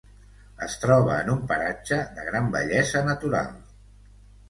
Es troba en un paratge de gran bellesa natural.